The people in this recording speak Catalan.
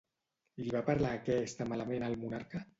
Li va parlar aquesta malament al monarca?